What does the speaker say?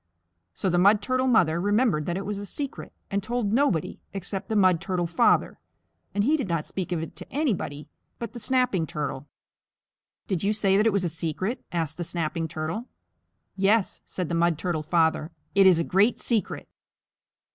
So the Mud Turtle Mother remembered that it was a secret, and told nobody except the Mud Turtle Father, and he did not speak of it to anybody but the Snapping Turtle. "Did you say that it was a secret?" asked the Snapping Turtle. "Yes," said the Mud Turtle Father, "It is a great secret."